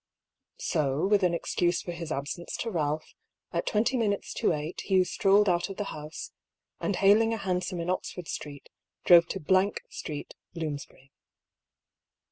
^* So, with an excuse for his absence to Balph, at twenty minutes to eight Hugh strolled out of the house, and hailing a hansom in Oxford street, drove to Blank street, Bloomsbury.